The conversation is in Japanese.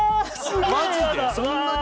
そんな？